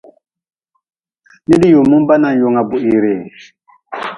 Nid-yumimba nanyunga buhire.